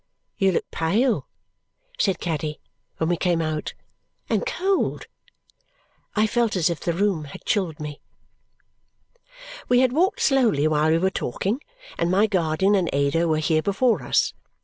"You look pale," said Caddy when we came out, "and cold!" I felt as if the room had chilled me. We had walked slowly while we were talking, and my guardian and Ada were here before us.